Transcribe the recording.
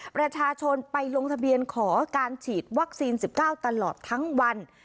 ประชาชนไปลงทะเบียนขอการฉีดวัคซีน๑๙ตลอดทั้งวัน